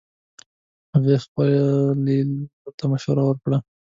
هغې خبلې لور ته مشوره ورکړه